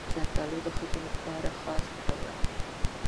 زردالو د ښځو لپاره خاص ګټور دی.